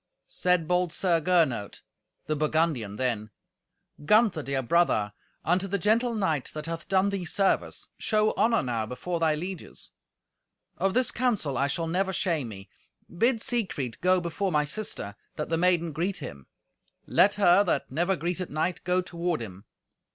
Said bold Sir Gernot, the Burgundian, then, "Gunther, dear brother, unto the gentle knight, that hath done thee service, show honour now before thy lieges. Of this counsel I shall never shame me. Bid Siegfried go before my sister, that the maiden greet him. Let her, that never greeted knight, go toward him.